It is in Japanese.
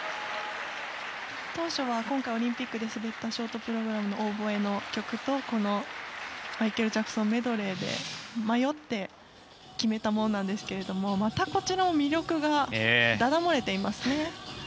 当初は今回オリンピックで滑ったショートプログラムオーボエの曲とこのマイケル・ジャクソンメドレーで迷って決めたものなんですけどもまたこちらも魅力がだだ漏れていますね。